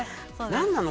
何なの？